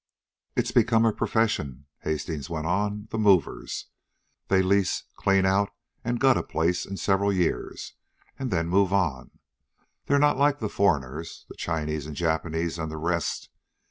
"It's become a profession," Hastings went on. "The 'movers.' They lease, clean out and gut a place in several years, and then move on. They're not like the foreigners, the Chinese, and Japanese, and the rest.